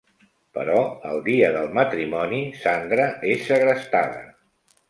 Però el dia del matrimoni, Sandra és segrestada.